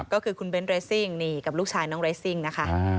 ก็คือคุณเบ้นเรซิ่งนี่กับลูกชายน้องเรสซิ่งนะคะ